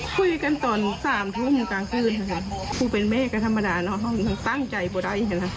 คุยกันตอน๓ธุมต่างคุณเป็นแม่ก็ธรรมดาเนอะตั้งใจไม่ได้